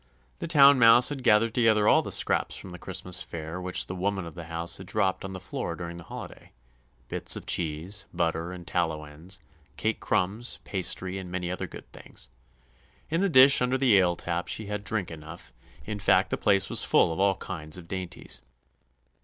The Town Mouse had gathered together all the scraps from the Christmas fare which the woman of the house had dropped on the floor during the holidays—bits of cheese, butter, and tallow ends, cake crumbs, pastry, and many other good things. In the dish under the ale tap she had drink enough; in fact, the place was full of all kinds of dainties.